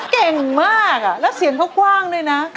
เก่งมากแล้วเสียงเขากว้างด้วยนะ